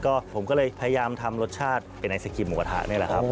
ก็ผมก็เลยพยายามทำรสชาติเป็นไอศกรีมหมูกระทะนี่แหละครับ